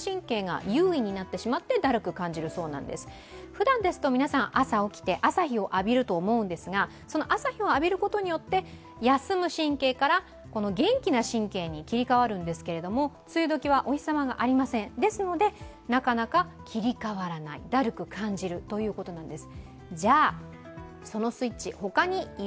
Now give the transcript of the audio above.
ふだんですと皆さん、朝起きて朝日を浴びると思うんですがその朝日を浴びることによって、休む神経から元気な神経に切り替わるんですけども、梅雨時はお日様がありませんですので、なかなか切り替わらないだるく感じるということなんです。